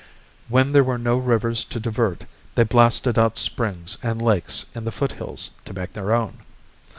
When there were no rivers to divert they blasted out springs and lakes in the foothills to make their own.